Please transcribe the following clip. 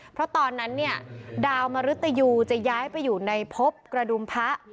เพราะตอนนั้นเนี่ยดาวมริตยูจะย้ายไปอยู่ในพบกระดุมพระ